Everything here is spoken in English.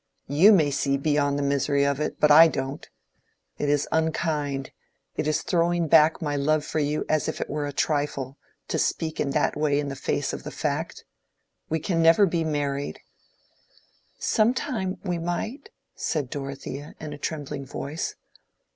You may see beyond the misery of it, but I don't. It is unkind—it is throwing back my love for you as if it were a trifle, to speak in that way in the face of the fact. We can never be married." "Some time—we might," said Dorothea, in a trembling voice.